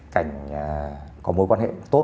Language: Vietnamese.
cảnh có mối quan hệ tốt